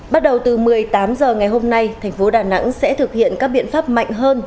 bắt đầu từ một mươi tám h ngày hôm nay thành phố đà nẵng sẽ thực hiện các biện pháp mạnh hơn